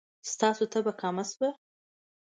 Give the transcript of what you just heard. ستاسو تبه کمه شوه؟